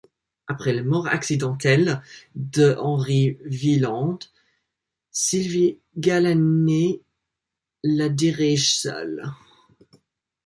Après la mort accidentelle de Henri Villand, Sylvie Galanis la dirige seule.